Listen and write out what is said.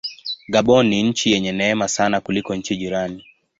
Gabon ni nchi yenye neema sana kuliko nchi jirani.